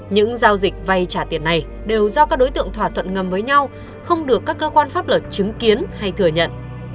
những giao dịch vay trả tiền này đều do các đối tượng thỏa thuận ngầm với nhau không được các cơ quan pháp luật chứng kiến hay thừa nhận